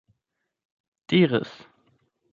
diris